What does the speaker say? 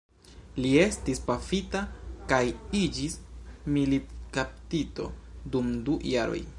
Li estis pafita kaj iĝis militkaptito dum du jaroj.